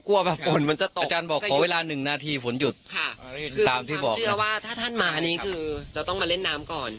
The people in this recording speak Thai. แบบฝนมันจะตกอาจารย์บอกขอเวลาหนึ่งนาทีฝนหยุดค่ะคือตามความเชื่อว่าถ้าท่านมานี่คือจะต้องมาเล่นน้ำก่อน